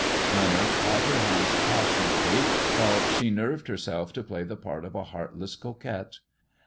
Leonard caught her hands passionately, while she nerved erself to play the part of a heartleaa coquette.